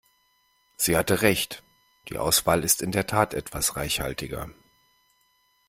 Sie hatten recht, die Auswahl ist in der Tat etwas reichhaltiger.